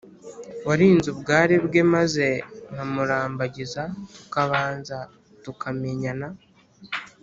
warinze ubwari bwe maze nkamurambagiza tukabanza tukamenyana,